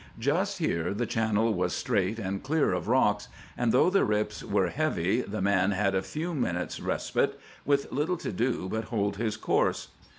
Just here the channel was straight and clear of rocks, and though the rips were heavy the man had a few minutes' respite, with little to do but hold his course.